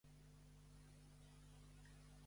La Montserrat diu que no vindr